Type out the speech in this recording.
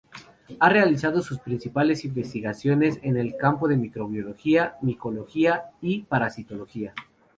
Ha realizado sus principales investigaciones en el campo de Microbiología, Micología y Parasitología.